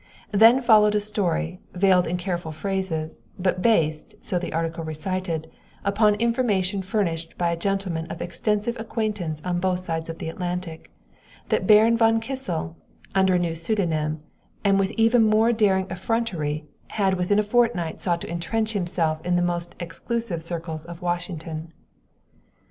Then followed a story, veiled in careful phrases, but based, so the article recited, upon information furnished by a gentleman of extensive acquaintance on both sides of the Atlantic, that Baron von Kissel, under a new pseudonym, and with even more daring effrontery, had within a fortnight sought to intrench himself in the most exclusive circles of Washington.